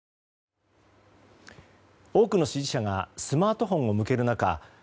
多くの支持者がスマートフォンを向ける中